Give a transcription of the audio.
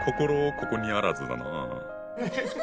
ここにあらずだなぁ。